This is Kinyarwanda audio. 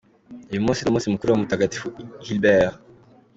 Uyu munsi ni umunsi mukuru wa Mutagatifu Hildebert.